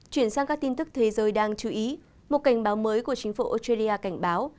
chuyển sang các tin tức thế giới đang chú ý một cảnh báo mới của chính phủ australia cảnh báo